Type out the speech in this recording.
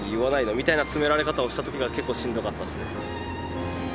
みたいな詰められ方をしたときが結構しんどかったですね。